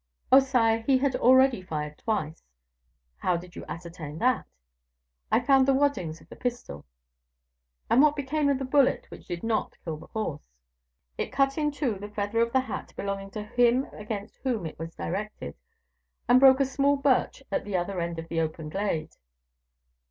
"Oh, sire, he had already fired twice." "How did you ascertain that?" "I found the waddings of the pistol." "And what became of the bullet which did not kill the horse?" "It cut in two the feather of the hat belonging to him against whom it was directed, and broke a small birch at the other end of the open glade."